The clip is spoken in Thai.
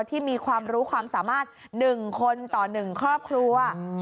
ที่มีความรู้ความสามารถ๑คนต่อ๑ครอบครัว